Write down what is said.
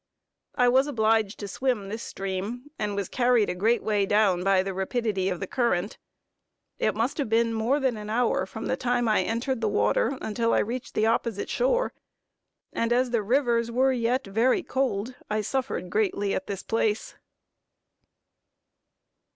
I was obliged to swim this stream, and was carried a great way down by the rapidity of the current. It must have been more than an hour from the time that I entered the water, until I reached the opposite shore, and as the rivers were yet very cold, I suffered greatly at this place.